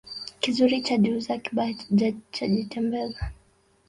Kizuri chajiuza kibaya chajitembeza